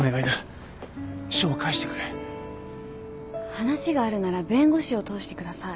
話があるなら弁護士を通してください